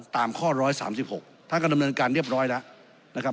ตามข้อ๑๓๖ทางการำเนินการเรียบร้อยแล้ว